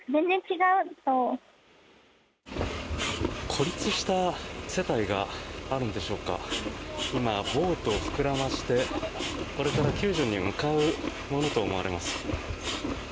孤立した世帯があるんでしょうか今、ボートを膨らませてこれから救助に向かうものと思われます。